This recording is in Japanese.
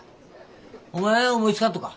お前や思いつかんとか？